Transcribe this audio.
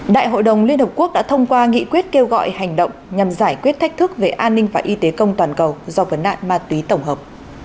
đại hội đồng liên hợp quốc đã thông qua nghị quyết kêu gọi hành động nhằm giải quyết thách thức về an ninh và y tế công toàn cầu do vấn nạn ma túy tổng hợp